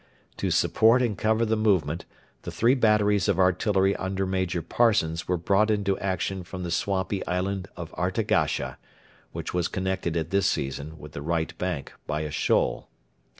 To support and cover the movement, the three batteries of artillery under Major Parsons were brought into action from the swampy island of Artagasha, which was connected at this season with the right bank by a shoal.